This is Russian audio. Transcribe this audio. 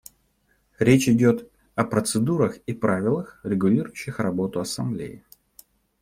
Речь идет и процедурах и правилах, регулирующих работу Ассамблеи.